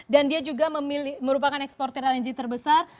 dan dia juga merupakan ekspor ter lng terbesar